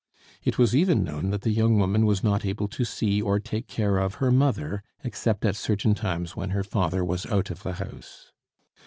It was even known that the young woman was not able to see or take care of her mother, except at certain times when her father was out of the house.